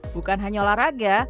bukan hanya olahraga